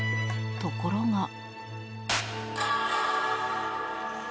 ところが。